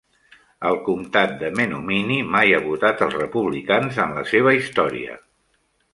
El comtat de Menominee mai ha votat els republicans en la seva història.